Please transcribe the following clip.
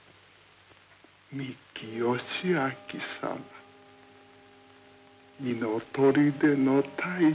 三木義明様二の砦の大将様。